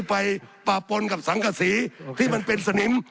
สับขาหลอกกันไปสับขาหลอกกันไป